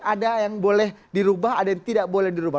ada yang boleh dirubah ada yang tidak boleh dirubah